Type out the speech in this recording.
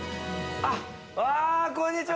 こんにちは。